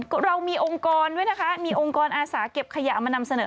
เรามีองค์กรด้วยนะคะมีองค์กรอาสาเก็บขยะเอามานำเสนอ